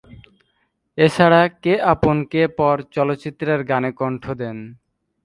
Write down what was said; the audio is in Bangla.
এছাড়া "কে আপন কে পর" চলচ্চিত্রের গানে কণ্ঠ দেন।